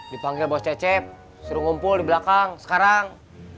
dipanggil bawa cecep suruh ngumpul di belakang sekarang